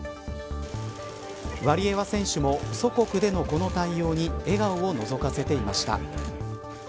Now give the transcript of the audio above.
ワリエワ選手も祖国でのこの対応に笑顔をのぞかせていました。